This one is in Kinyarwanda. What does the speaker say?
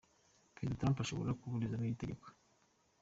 Perezida Trump ashobora kuburizamo iri tegeko.